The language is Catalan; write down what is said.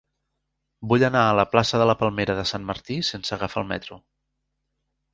Vull anar a la plaça de la Palmera de Sant Martí sense agafar el metro.